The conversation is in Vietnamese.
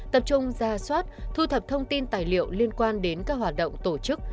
tập trung ra soát thu thập thông tin tài liệu liên quan đến các hoạt động tổ chức